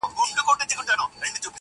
هینداره ماته که چي ځان نه وینم تا ووینم!